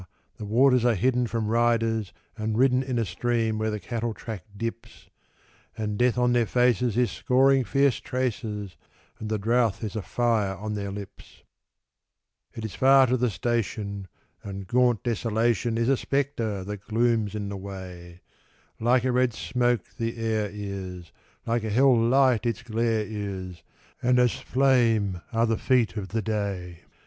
the waters are hidden from riders and ridden In a stream where the cattle track dips; And Death on their faces is scoring fierce traces, And the drouth is a fire on their lips. It is far to the station, and gaunt Desolation Is a spectre that glooms in the way; Like a red smoke the air is, like a hell light its glare is, And as flame are the feet of the day.